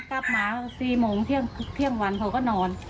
กลับมา๔โมงเที่ยงวันเขาก็นอน